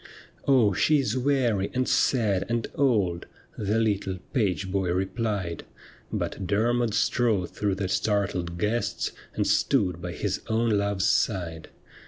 ' Oh, she is weary, and sad, and old,' The little page boy replied ; But Dermod strode through the startled guests, And stood by his own love's side.